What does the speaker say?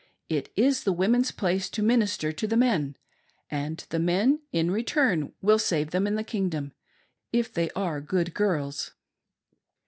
It is the women's place to minister to the men, and the mien, in return, will save them in the Kingdom, if they are good girls."